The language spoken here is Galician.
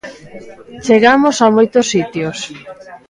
Chegamos a moitos sitios.